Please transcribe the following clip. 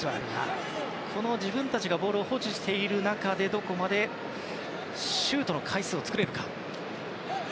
自分たちがボールを保持する中でどこまでシュートの回数を作れるか。